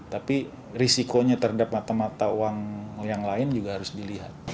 tapi risikonya terhadap mata mata uang yang lain juga harus dilihat